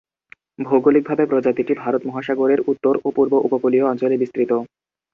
ভৌগোলিকভাবে প্রজাতিটি ভারত মহাসাগরের উত্তর ও পূর্ব উপকূলীয় অঞ্চলে বিস্তৃত।